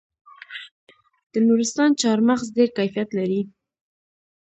د نورستان چهارمغز ډیر کیفیت لري.